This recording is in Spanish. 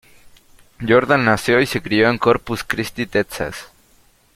Jordan nació y se crio en Corpus Christi, Texas.